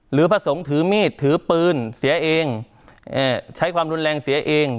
พระสงฆ์ถือมีดถือปืนเสียเองใช้ความรุนแรงเสียเอง